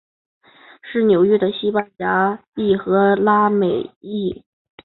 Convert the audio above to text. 该电台的主要听众是纽约的西班牙裔和拉美裔。